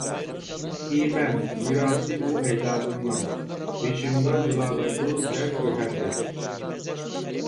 كىيىمەن، مىراسى ئۇ ئەجدادىمنىڭ، بېشىمدا جۇلالايدۇ زەر گۆھەردەك.